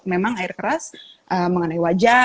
memang air keras mengenai wajah